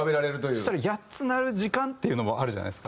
そしたら８つ鳴る時間っていうのもあるじゃないですか。